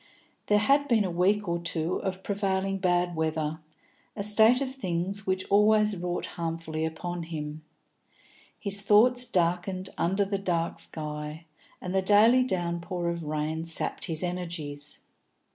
There had been a week or two of prevailing bad weather, a state of things which always wrought harmfully upon him; his thoughts darkened under the dark sky, and the daily downpour of rain sapped his energies.